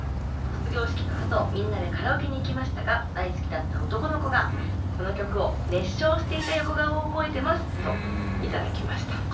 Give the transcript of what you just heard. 卒業式のあとみんなでカラオケに行きましたが大好きだった男の子がこの曲を熱唱していた横顔を覚えてます」と頂きました。